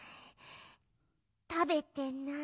たべてない。